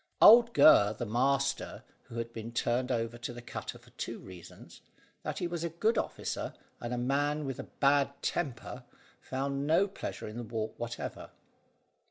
Old Gurr the master, who had been turned over to the cutter for two reasons, that he was a good officer and a man with a bad temper, found no pleasure in the walk whatever.